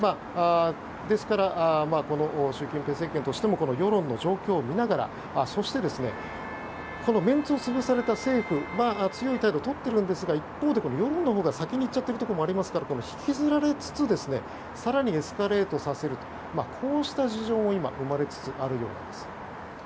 ですから、習近平政権としても世論の状況を見ながらそして、メンツを潰された政府は強い態度をとっているんですが一方で世論のほうが先に行っちゃっているところがありますから引きずられつつ更にエスカレートさせるこうした事情も今、生まれつつあると思います。